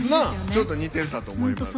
ちょっと似てたと思います。